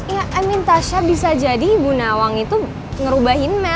ya i mean tasha bisa jadi ibu nawang itu ngerubahin mel